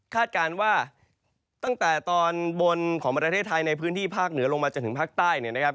การว่าตั้งแต่ตอนบนของประเทศไทยในพื้นที่ภาคเหนือลงมาจนถึงภาคใต้เนี่ยนะครับ